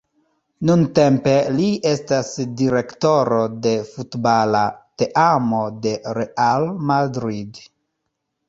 Nuntempe li estas direktoro de futbala teamo de Real Madrid.